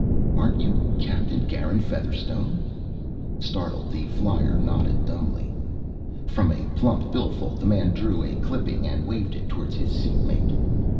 "Aren't you Captain Garin Featherstone?" Startled, the flyer nodded dumbly. From a plump billfold the man drew a clipping and waved it toward his seat mate.